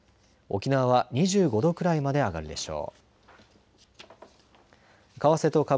沖縄は２５度くらいまで上がるでしょう。